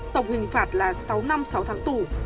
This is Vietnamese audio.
tổng hình phạt là sáu năm sáu tháng tù